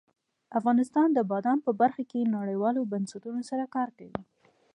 افغانستان د بادام په برخه کې نړیوالو بنسټونو سره کار کوي.